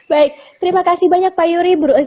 baik terima kasih banyak pak yuri